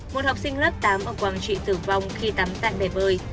một học sinh lớp tám ở quảng trị tử vong khi tắm tại bể bơi